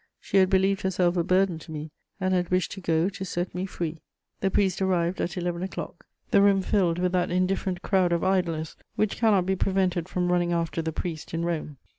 She had believed herself a burden to me, and had wished to go to set me free. The priest arrived at eleven o'clock: the room filled with that indifferent crowd of idlers which cannot be prevented from running after the priest in Rome.